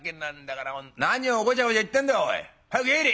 「何をごちゃごちゃ言ってんだよおい。早く入れ！」。